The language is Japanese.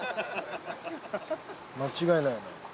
間違いないな。